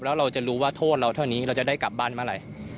แล้วเราจะรู้ว่าโทษเราเท่านี้เราจะได้กลับบ้านเมื่อไหร่